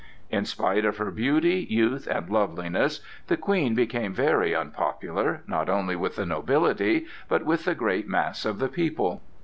In spite of her beauty, youth, and loveliness the Queen became very unpopular, not only with the nobility, but with the great mass of the people.